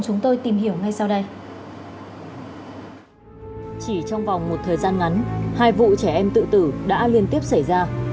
chỉ trong vòng một thời gian ngắn hai vụ trẻ em tự tử đã liên tiếp xảy ra